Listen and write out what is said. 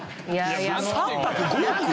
３泊５億？